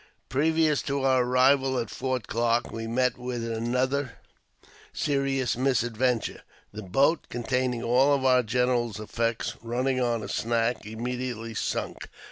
Previous to our arrival at Fort Clarke we met with another serious misadventure. The boat containing all our general's effects, running on a snag, immediately sunk.